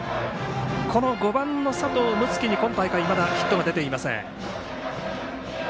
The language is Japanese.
この５番の佐藤夢樹に今大会はヒットが出ていません。